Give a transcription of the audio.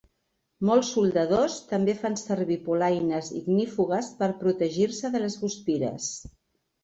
Molts soldadors també fan servir polaines ignífugues per protegir-se de les guspires.